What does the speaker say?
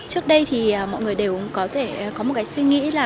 trước đây thì mọi người đều có thể có một cái suy nghĩ là